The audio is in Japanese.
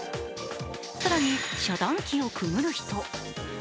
更に、遮断機をくぐる人。